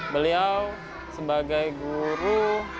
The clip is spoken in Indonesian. beliau sebagai guru